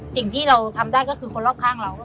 สิ่งที่เราทำได้ก็คือคนรอบข้างเรา